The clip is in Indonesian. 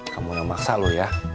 kan soal masak ya